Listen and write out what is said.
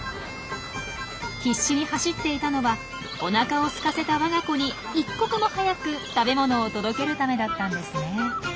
必死に走っていたのはおなかをすかせた我が子に一刻も早く食べ物を届けるためだったんですね。